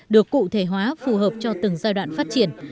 được cụ thể hóa phù hợp cho từng giai đoạn phát triển